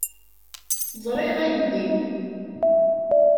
Ẓriɣ aydi.